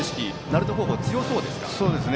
鳴門高校、強そうですか？